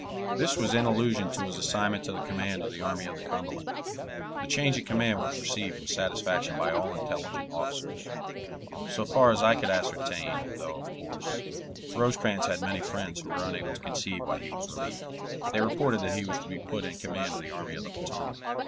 This was in allusion to his assignment to the command of the Army of the Cumberland. The change in command was received with satisfaction by all intelligent officers, so far as I could ascertain, though, of course, Rosecrans had many friends who were unable to conceive why he was relieved. They reported that he was to be put in command of the Army of the Potomac.